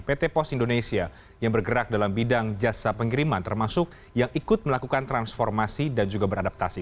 pt pos indonesia yang bergerak dalam bidang jasa pengiriman termasuk yang ikut melakukan transformasi dan juga beradaptasi